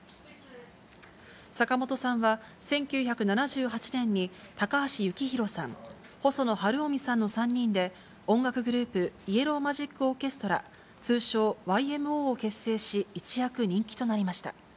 坂本さんは、１９７８年に高橋幸宏さん、細野晴臣さんの３人で音楽グループ、ＹＥＬＬＯＷＭＡＧＩＣＯＲＣＨＥＳＴＲＡ、通称ＹＭＯを結成し、一躍人気となりました。